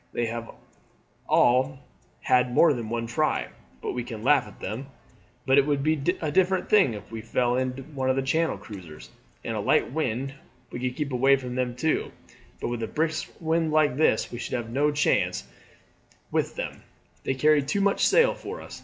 They have all had more than one try, but we can laugh at them; but it would be a different thing if we fell in with one of the Channel cruisers; in a light wind we could keep away from them too, but with a brisk wind like this we should have no chance with them; they carry too much sail for us.